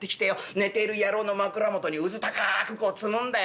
寝てる野郎の枕元にうずたかくこう積むんだよ。